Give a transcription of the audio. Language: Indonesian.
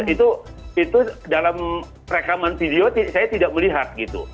itu dalam rekaman video saya tidak melihat gitu